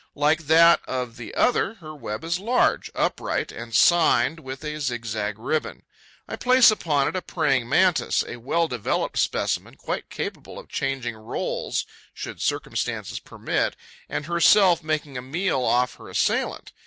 Like that of the other, her web is large, upright and 'signed' with a zigzag ribbon. I place upon it a Praying Mantis, a well developed specimen, quite capable of changing roles, should circumstances permit, and herself making a meal off her assailant.